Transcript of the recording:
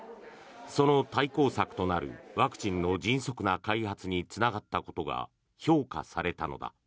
その対抗策となるワクチンの迅速な開発につながったことが評価されたのだ。